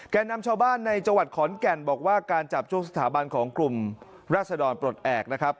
นำชาวบ้านในจังหวัดขอนแก่นบอกว่าการจับช่วงสถาบันของกลุ่มราศดรปลดแอบนะครับ